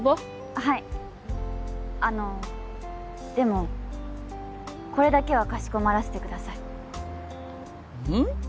はいあのでもこれだけはかしこまらせてくださいうん？